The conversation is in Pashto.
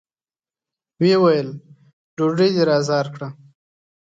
ويې ويل: ډوډۍ دې را زار کړه!